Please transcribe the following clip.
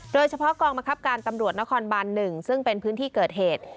โดยเฉพาะกองบังคับการตำรวจนครบาน๑ซึ่งเป็นพื้นที่เกิดเหตุ